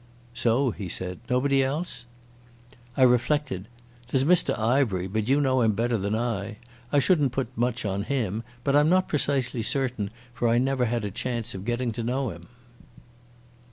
"So," he said. "Nobody else?" I reflected. "There's Mr Ivery, but you know him better than I. I shouldn't put much on him, but I'm not precisely certain, for I never had a chance of getting to know him."